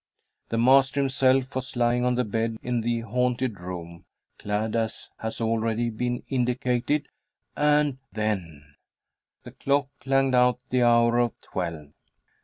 The master himself was lying on the bed in the haunted room, clad as has already been indicated, and then The clock clanged out the hour of twelve.